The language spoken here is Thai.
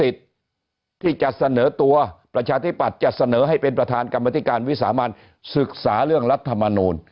ที่จะเสนอตัวประชาธิปัตย์จะเสนอให้เป็นประธานกรรมธิการวิสามันศึกษาเรื่องรัฐมนูล